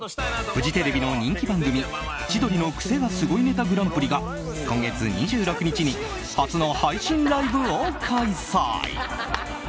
フジテレビの人気番組「千鳥のクセがスゴいネタＧＰ」が今月２６日に初の配信ライブを開催。